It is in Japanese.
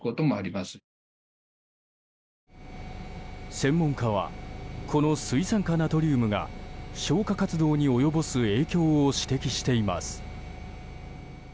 専門家はこの水酸化ナトリウムが消火活動に及ぼす影響を指摘しています。